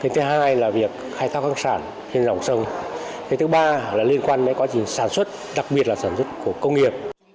thứ hai là việc khai thác khoáng sản trên dòng sông thứ ba là liên quan đến quá trình sản xuất đặc biệt là sản xuất của công nghiệp